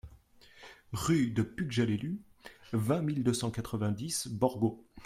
Rue de Pughjalellu, vingt mille deux cent quatre-vingt-dix Borgo